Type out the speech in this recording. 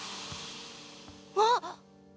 あっ！